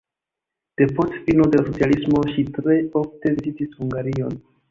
Depost fino de la socialismo ŝi tre ofte vizitis Hungarion.